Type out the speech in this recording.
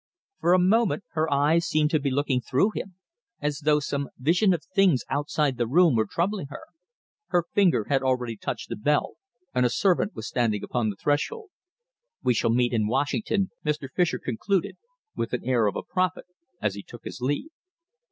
For a moment her eyes seemed to be looking through him, as though some vision of things outside the room were troubling her. Her finger had already touched the bell and a servant was standing upon the threshold. "We shall meet in Washington," Mr. Fischer concluded, with an air of a prophet, as he took his leave.